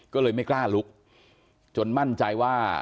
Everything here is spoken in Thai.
ก็เลยไม่กล้าลุกจนมั่นใจว่า